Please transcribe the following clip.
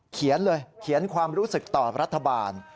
เขียนเลยเขียนความรู้สึกต่อรัฐบาล